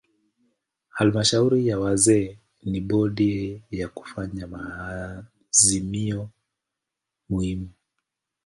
Halmashauri ya wazee ni bodi ya kufanya maazimio muhimu.